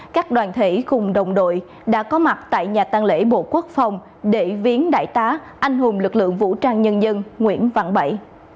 các đoàn thể cùng đồng đội đã có mặt tại nhà tăng lễ bộ quốc phòng để viến đại tá anh hùng lực lượng vũ trang nhân dân nguyễn văn bảy